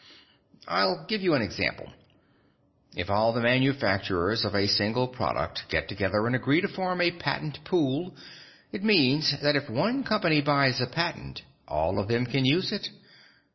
"I'll give you an example. If all the manufacturers of a single product get together and agree to form a patent pool, it means that if one company buys a patent, all of them can use it.